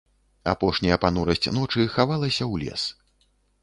Апошняя панурасць ночы хавалася ў лес.